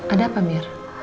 ada apa mir